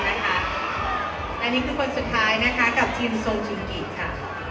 และนี่คือคนสุดท้ายนะคะกับจินโซจูกิค่ะ